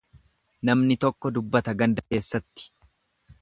Namni tokko dubbata ganda keessatti.